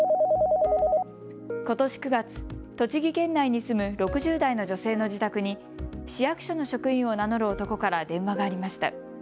ことし９月、栃木県内に住む６０代の女性の自宅に市役所の職員を名乗る男から電話がありました。